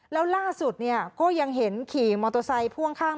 แล้วล่าสุดเนี่ยก็ยังเห็นขี่มอเตอร์ไซค์พ่วงข้าง